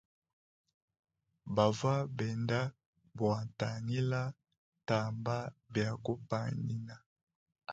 Bavwa benda bwa ktangila btamba bia kupanyina.